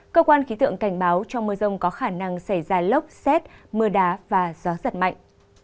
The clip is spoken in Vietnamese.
cơ quan khí tượng cảnh báo trong mưa rông có khả năng xảy ra lốc xét mưa đá và gió giật mạnh